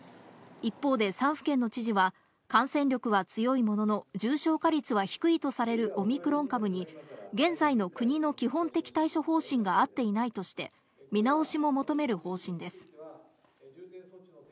一方で３府県の知事は、感染力は強いものの、重症化率は低いとされるオミクロン株に現在の国の基本的対処方針が合っていないとして、見直しも求める方針です。